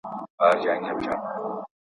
هغه وايي، چي ما له رسول الله څخه پوښتنه وکړه.